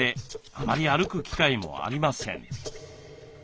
あまり歩く機会もありません。